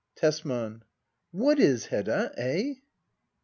Tesman. What is, Hedda ? Eh